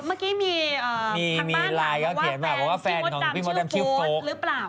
เมื่อกี้มีทางบ้านหลังก็เขียนแบบว่าแฟนสีมดำชื่อโฟสหรือเปล่า